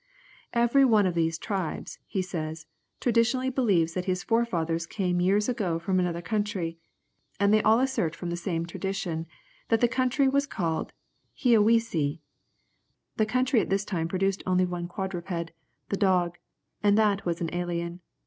"Every one of these tribes," he says, "traditionally believes that his forefathers came years ago from another country, and they all assert from the same tradition, that the country was called Heawise." The country at this time produced only one quadruped, the dog, and that was an alien.